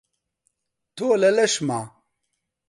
تۆ لە لەشما